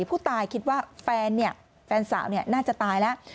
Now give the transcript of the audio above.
ผู้ตายคิดว่าแฟนเนี่ยแฟนสาวเนี่ยน่าจะตายแล้ว